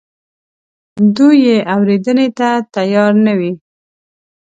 دوی یې اورېدنې ته تیار نه وي.